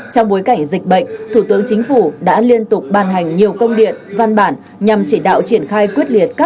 trong bối cảnh dịch bệnh thủ tướng chính phủ đã liên tục ban hành nhiều công điện văn bản nhằm chỉ đạo triển khai quyết liệt